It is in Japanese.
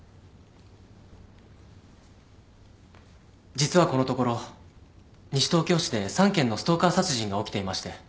実はこのところ西東京市で３件のストーカー殺人が起きていまして。